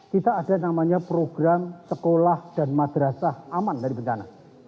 kita ada namanya program sekolah dan madrasah aman dari bencana